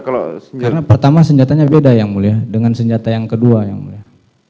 karena pertama senjatanya beda yang mulia dengan senjata yang kedua yang mulia